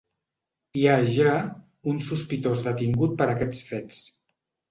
Hi ha ja un sospitós detingut per aquests fets.